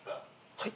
はい。